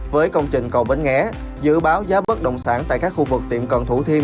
với công trình cầu bến nghế dự báo giá bất đồng sản tại các khu vực tiệm cận thủ thiêm